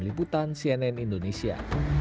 diputan cnn indonesia